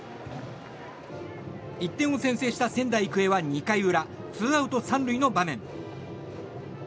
１点を先制した仙台育英は２回裏ツーアウト３塁の場面。